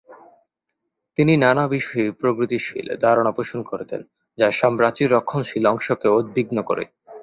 তিনি নানা বিষয়ে প্রগতিশীল ধারণা পোষণ করতেন, যা সাম্রাজ্যের রক্ষণশীল অংশকে উদ্বিগ্ন করে।